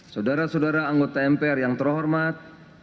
saudara saudara anggota mpr yang terhormat